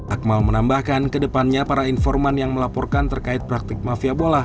akmal menambahkan kedepannya para informan yang melaporkan terkait praktik mafia bola